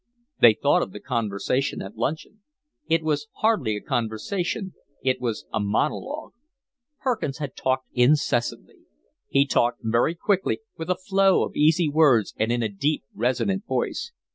They thought of the conversation at luncheon. It was hardly a conversation; it was a monologue. Perkins had talked incessantly. He talked very quickly, with a flow of easy words and in a deep, resonant voice.